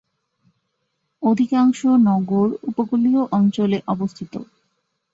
অধিকাংশ নগর উপকূলীয় অঞ্চলে অবস্থিত।